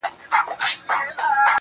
ما خو خپل زړه هغې ته وركړى ډالۍ.